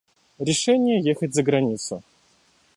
Решение ехать за границу.